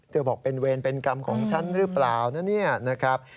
บอกเป็นเวรเป็นกรรมของฉันหรือเปล่านะเนี่ยนะครับ